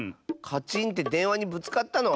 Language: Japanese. カチーンってでんわにぶつかったの？